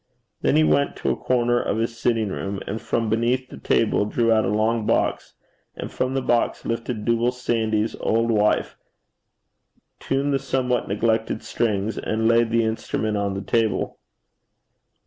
Then he went to a corner of his sitting room, and from beneath the table drew out a long box, and from the box lifted Dooble Sandy's auld wife, tuned the somewhat neglected strings, and laid the instrument on the table.